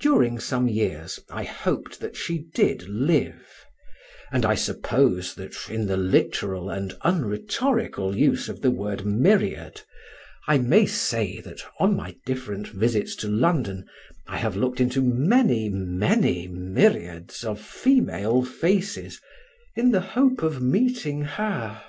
During some years I hoped that she did live; and I suppose that, in the literal and unrhetorical use of the word myriad, I may say that on my different visits to London I have looked into many, many myriads of female faces, in the hope of meeting her.